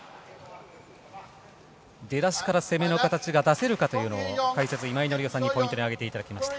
出だしから攻めの形が出せるかというのを解説、今井紀夫さんにポイントに挙げていただきました。